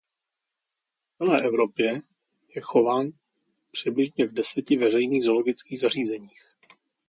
V celé Evropě je chován přibližně v deseti veřejných zoologických zařízeních.